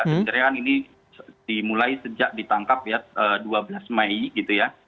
sebenarnya kan ini dimulai sejak ditangkap ya dua belas mei gitu ya